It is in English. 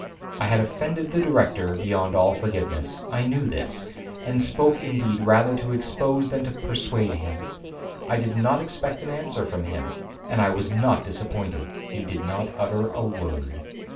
I had offended the Director beyond all forgiveness. I knew this, and spoke indeed rather to expose than to persuade him. I did not expect an answer from him, and I was not disappointed,—he did not utter a word.